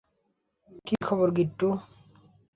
কী খবর, গিট্টু?